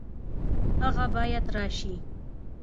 هغه باید راشي